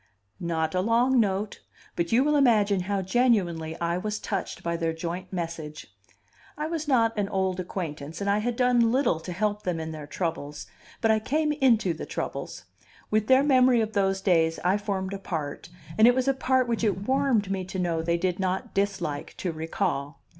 Not a long note! But you will imagine how genuinely I was touched by their joint message. I was not an old acquaintance, and I had done little to help them in their troubles, but I came into the troubles; with their memory of those days I formed a part, and it was a part which it warmed me to know they did not dislike to recall.